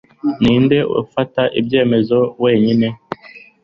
ninde ufata ibyemezo wenyine